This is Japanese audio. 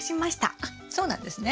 あっそうなんですね。